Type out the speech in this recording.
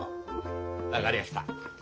分かりやした。